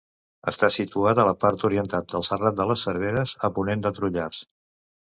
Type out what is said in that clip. Està situat a la part oriental del Serrat de les Serveres, a ponent de Trullars.